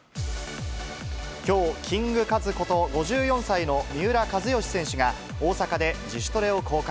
きょう、キングカズこと５４歳の三浦知良選手が、大阪で自主トレを公開。